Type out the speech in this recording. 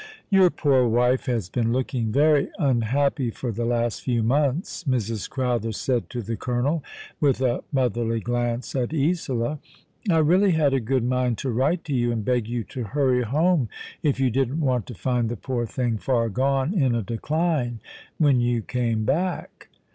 " Your poor wife has been looking very unhappy for the last few months," Mrs. Crowther said to the colonel, with a motherly glance at Isola. "I really had a good mind to write to you and beg you to hurry home if you didn't want to find the poor thing far gone in a decline when you came back."